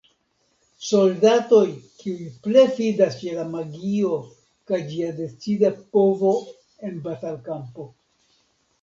Soldatoj kiuj plej fidas je la magio kaj ĝia decida povo en la batal-kampo.